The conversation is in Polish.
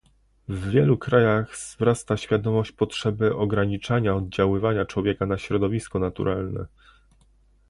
W wielu krajach wzrasta świadomość potrzeby ograniczania oddziaływania człowieka na środowisko naturalne